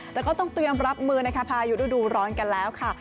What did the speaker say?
แต่ก็ต้องเตรียมรับมือนะคะพายุฤดูร้อนกันแล้วค่ะ